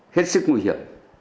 hết sức nguy hiểm